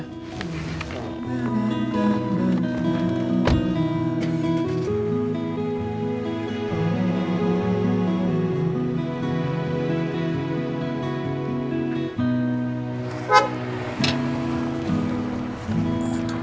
mas aku mau ke rumah